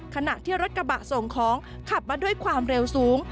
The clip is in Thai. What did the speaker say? ขณะที่รถกระบะส่งของขับมาด้วยความเร็วสูง